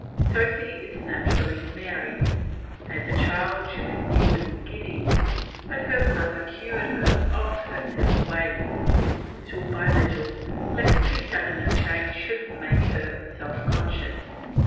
Sophy is naturally merry; as a child she was even giddy; but her mother cured her of her silly ways, little by little, lest too sudden a change should make her self conscious.